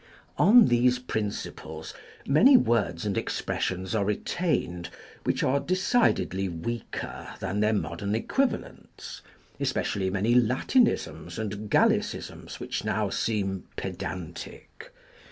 On these principles many words and expressions are retained, whicli are decidedly weaker than their modern equivalents, espe cially many Latinisms and Gallicisms which now seem pedantic.